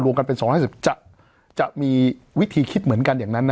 รวมกันเป็นสองห้าสิบจะจะมีวิธีคิดเหมือนกันอย่างนั้นนะ